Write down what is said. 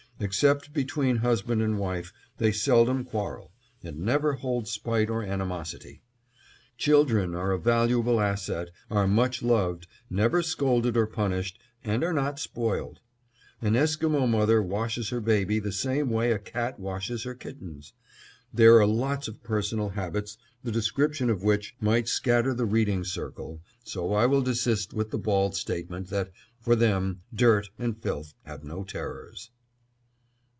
Except between husband and wife, they seldom quarrel; and never hold spite or animosity. Children are a valuable asset, are much loved, never scolded or punished, and are not spoiled. An Esquimo mother washes her baby the same way a cat washes her kittens. There are lots of personal habits the description of which might scatter the reading circle, so I will desist with the bald statement, that, for them, dirt and filth have no terrors.